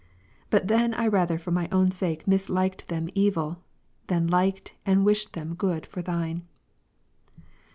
But then I rather for my own sake misliked them evil, than liked and wished them good for Thine.